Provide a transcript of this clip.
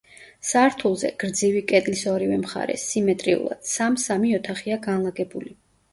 სართულზე, გრძივი კედლის ორივე მხარეს, სიმეტრიულად, სამ-სამი ოთახია განლაგებული.